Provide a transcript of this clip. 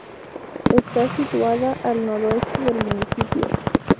Está situada al noreste del municipio.